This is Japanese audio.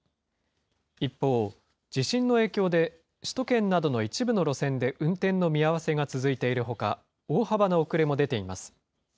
一方、地震の影響で首都圏などの一部の路線で運転の見合わせが続いているほか、大幅な遅れも出ています。